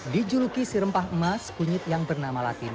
dijuluki sirempah emas kunyit yang bernama latin